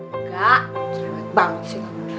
enggak cerewet banget sih